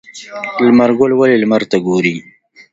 لمر ګل ولې لمر ته ګوري؟